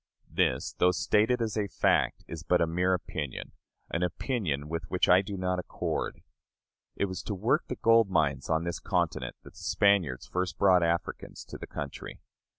This, though stated as a fact, is but a mere opinion an opinion with which I do not accord. It was to work the gold mines on this continent that the Spaniards first brought Africans to the country.